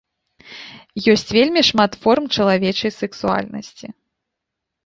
Ёсць вельмі шмат форм чалавечай сексуальнасці.